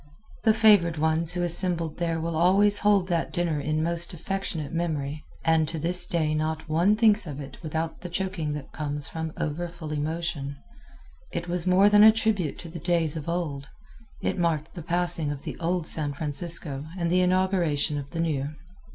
The favored ones who assembled there will always hold that dinner in most affectionate memory, and to this day not one thinks of it without the choking that comes from over full emotion. It was more than a tribute to the days of old it marked the passing of the old San Francisco and the inauguration of the new.